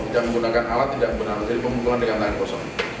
tidak menggunakan alat tidak menggunakan alat jadi pengumpulan dengan tangan kosong